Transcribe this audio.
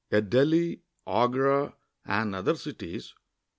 At Delhi, Agra, and other cities.